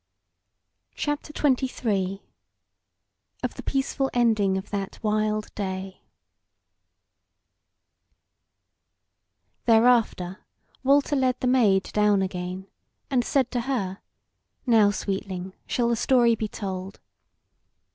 CHAPTER XXIII: OF THE PEACEFUL ENDING OF THAT WILD DAY Thereafter Walter led the Maid down again, and said to her: "Now, sweetling, shall the story be told."